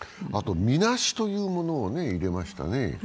みなしというものを入れましたね。